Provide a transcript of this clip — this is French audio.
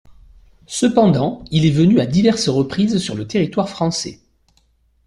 Cependant, il est venu à diverses reprises sur le territoire français.